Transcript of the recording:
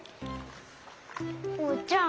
おうちゃん